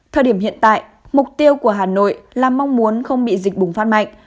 thời điểm hiện tại mục tiêu của hà nội là mong muốn không bị dịch bùng phát mạnh